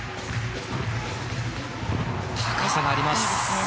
高さがあります。